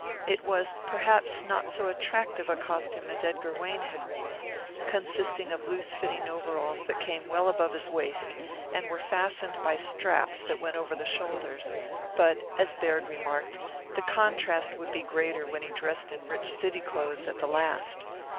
It was perhaps not so attractive a costume as Edgar Wayne had worn, consisting of loose fitting overalls that came well above his waist and were fastened by straps that went over the shoulders; but, as Baird remarked, the contrast would be greater when he dressed in rich city clothes at the last.